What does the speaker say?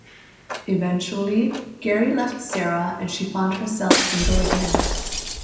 Eventually, Gary left Sarah and she found herself single again.